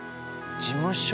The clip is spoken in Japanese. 事務所？